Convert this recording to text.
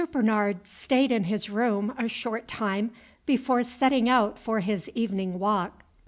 Bernard stayed in his room a short time before setting out for his evening walk.